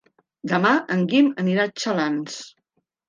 Demà en Guim anirà a Xalans.